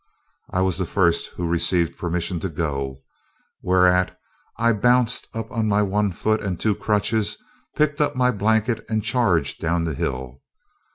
I was the first who received permission to go, whereat I bounced on to my one foot and two crutches, picked up my blanket, and charged down the hill.